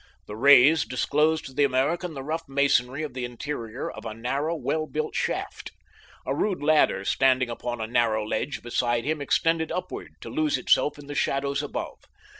The rays disclosed to the American the rough masonry of the interior of a narrow, well built shaft. A rude ladder standing upon a narrow ledge beside him extended upward to lose itself in the shadows above.